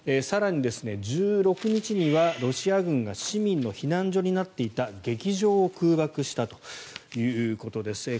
更に、１６日にはロシア軍が市民の避難所になっていた劇場を空爆したということです。